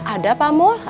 ada pak mul